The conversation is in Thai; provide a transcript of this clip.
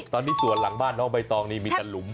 ตอนนี้ส่วนหลังบ้านน้องใบตองนี่มีตะหลุม